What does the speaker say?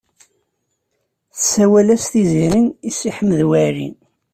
Tsawel-as Tiziri i Si Ḥmed Waɛli.